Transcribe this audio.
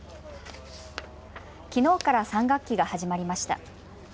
きのうから３学期が始まりました。